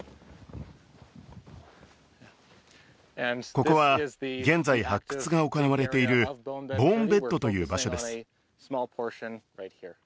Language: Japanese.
ここは現在発掘が行われているボーンベッドという場所です